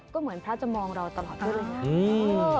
ก็เหมือนพระจะมองเราตลอดด้วยเลยนะ